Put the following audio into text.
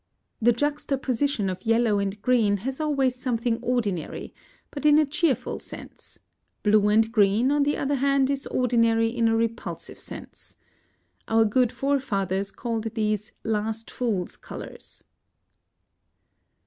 The juxtaposition of yellow and green has always something ordinary, but in a cheerful sense; blue and green, on the other hand, is ordinary in a repulsive sense. Our good forefathers called these last fool's colours.